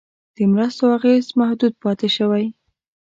د مرستو اغېز محدود پاتې شوی.